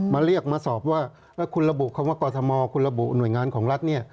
มาเรียกมาสอบว่าแล้วคุณระบุคำว่ากรทมคุณระบุหน่วยงานของรัฐเนี่ย